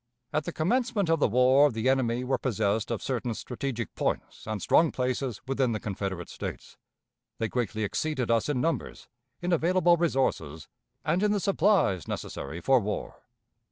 At the commencement of the war the enemy were possessed of certain strategic points and strong places within the Confederate States. They greatly exceeded us in numbers, in available resources, and in the supplies necessary for war.